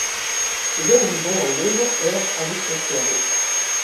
Le ver luisant dans l’ombre erre avec son flambeau.